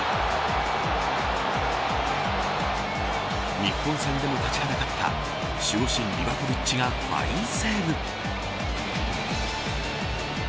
日本戦でも立ちはだかった守護神リヴァコヴィッチがファインセーブ。